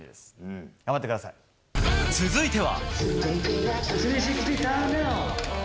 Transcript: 続いては。